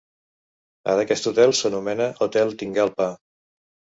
Ara aquest hotel s'anomena Hotel Tingalpa.